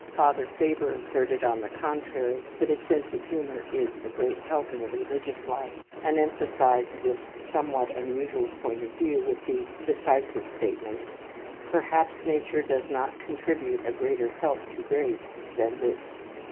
Father Faber asserted, on the contrary, that a sense of humour is a great help in the religious life, and emphasized this somewhat unusual point of view with the decisive statement: "Perhaps nature does not contribute a greater help to grace than this."